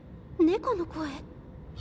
猫の声？